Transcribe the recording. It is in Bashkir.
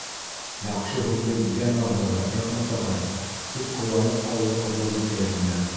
- Яҡшы һүҙең - йән аҙығы, рәхмәт, ағай, - тип ҡыуанып ҡалды Ҡорбанбикә еңгә.